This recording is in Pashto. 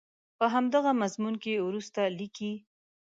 په همدغه مضمون کې وروسته لیکي.